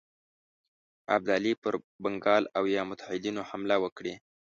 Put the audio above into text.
ابدالي پر بنګال او یا متحدینو حمله وکړي.